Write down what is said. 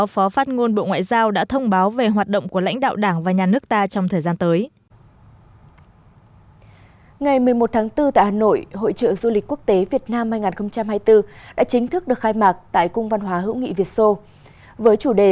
phó phát ngôn bộ ngoại giao đoàn khắc việt khẳng định